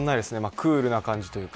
クールな感じというか